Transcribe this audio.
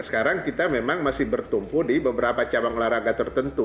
sekarang kita memang masih bertumpu di beberapa cabang olahraga tertentu